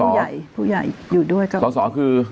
มีผู้ใหญ่อยู่ด้วยก็ส่อคือ